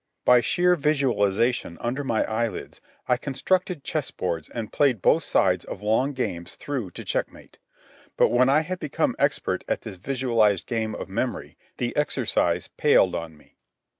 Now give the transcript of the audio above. By sheer visualization under my eyelids I constructed chess boards and played both sides of long games through to checkmate. But when I had become expert at this visualized game of memory the exercise palled on me.